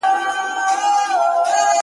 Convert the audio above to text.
د ملالۍ له پلوونو سره لوبي کوي٫